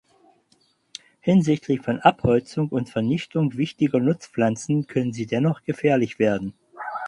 Hinsichtlich von Abholzung und Vernichtung wichtiger Nutzpflanzen können sie dennoch gefährlich werden.